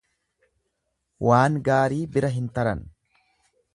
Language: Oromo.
Waan gaarii bira hin taran.